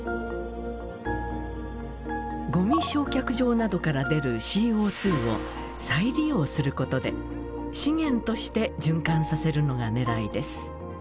ゴミ焼却場などから出るＣＯを再利用することで資源として循環させるのがねらいです。